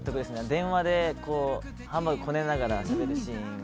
電話でハンバーグをこねながらしゃべるシーン。